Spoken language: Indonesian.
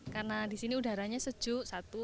karena di sini udaranya sejuk satu